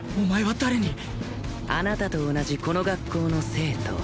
誰にあなたと同じこの学校の生徒